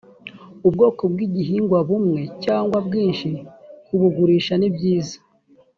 ubwoko bw igihingwa bumwe cyangwa bwinshi kubugurisha nibyiza